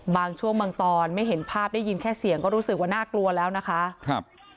บางช่วงบางตอนไม่เห็นภาพได้ยินแค่เสียงก็รู้สึกว่าน่ากลัวแล้วนะคะครับ